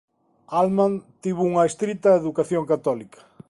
Altman tivo unha estrita educación católica.